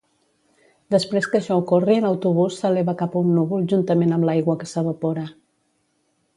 Després que això ocorri, l'autobús s'eleva cap a un núvol juntament amb l'aigua que s'evapora.